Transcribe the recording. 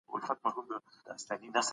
شپږ جمع يو؛ اووه کېږي.